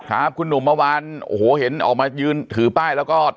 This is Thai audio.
ครับคุณหนุ่มเมื่อวานโอ้โหเห็นออกมายืนถือป้ายแล้วก็